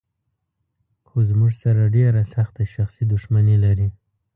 خو زموږ سره ډېره سخته شخصي دښمني لري.